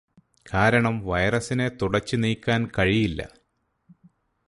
കാരണം വൈറസിനെ തുടച്ചു നീക്കാൻ കഴിയില്ല.